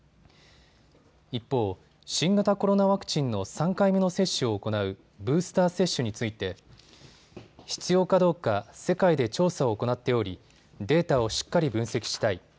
一方、新型コロナワクチンの３回目の接種を行うブースター接種について必要かどうか世界で調査を行っておりデータをしっかり分析したい。